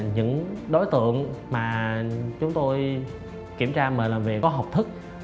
những đối tượng mà chúng tôi kiểm tra mời làm việc có học thức